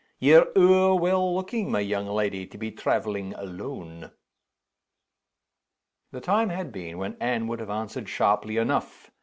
Ye're ower well looking, my young leddy, to be traveling alone." The time had been when Anne would have answered sharply enough.